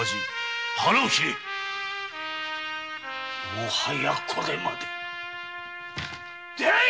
もはやこれまで出会え！